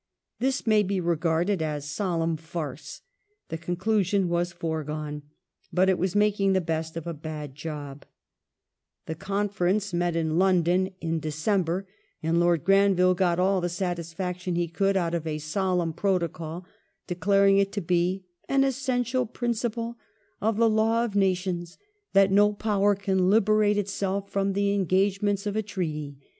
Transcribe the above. This may be regarded as solemn farce ; the conclusion was foregone ; but it was making the best of a bad job. The conference met in ^ Odo Russell to Granville ap. Fitzmaurice, ii. 72. 428 ADMINISTRATIVE REFORM [1868 London in December, and Lord Granville got all the satisfaction he could out of a solemn protocol, declaring it to be "an essential principle of the law of nations that no Power can liberate itself from the engagements of a Treaty